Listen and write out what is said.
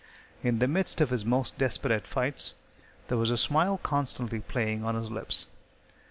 In the midst of his most desperate fights there was a smile constantly playing on his lips.